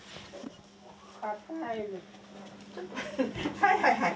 はいはいはい。